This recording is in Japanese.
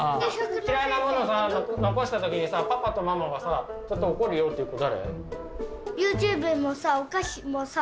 嫌いなもの残したときにさパパとママはさちょっと怒るよっていう子誰？